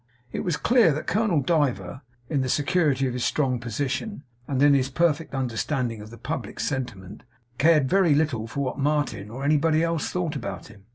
It was clear that Colonel Diver, in the security of his strong position, and in his perfect understanding of the public sentiment, cared very little what Martin or anybody else thought about him.